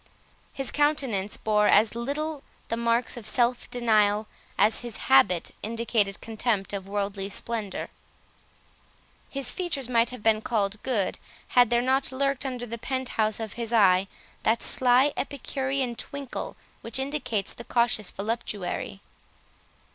His countenance bore as little the marks of self denial, as his habit indicated contempt of worldly splendour. His features might have been called good, had there not lurked under the pent house of his eye, that sly epicurean twinkle which indicates the cautious voluptuary.